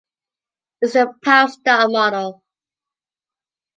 Its the Powerstar model.